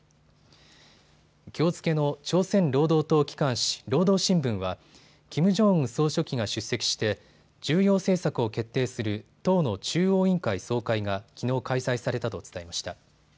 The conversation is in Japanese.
きょう付けの朝鮮労働党機関紙、労働新聞はキム・ジョンウン総書記が出席して重要政策を決定する党の中央委員会総会がきのう開催されたと伝えました。